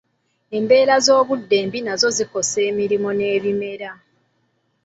Embeera z’obudde embi nazo zikosa ennimiro n’ebimera.